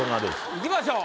いきましょう。